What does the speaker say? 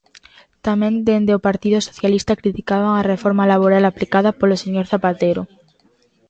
Tamén dende o Partido Socialista criticaban a reforma laboral aplicada polo señor Zapatero.